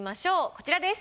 こちらです。